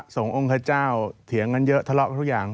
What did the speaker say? องค์ขเจ้าเถียงกันเยอะทะเลาะทุกอย่าง